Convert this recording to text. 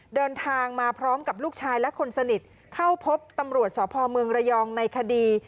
เดินทางมาพร้อมกับลูกชายและคนสนิทเข้าพบตำรวจสพเมืองระยองในคดี